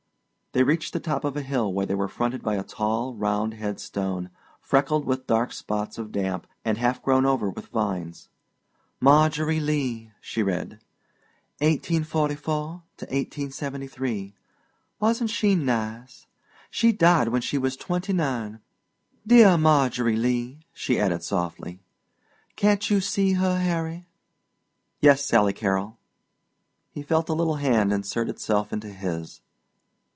They reached the top of a hill where they were fronted by a tall, round head stone, freckled with dark spots of damp and half grown over with vines. "Margery Lee," she read; "1844 1873. Wasn't she nice? She died when she was twenty nine. Dear Margery Lee," she added softly. "Can't you see her, Harry?" "Yes, Sally Carrol." He felt a little hand insert itself into his.